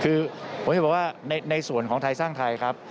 คือผมจะบอกว่าในส่วนของไทยสร้างไทยครับ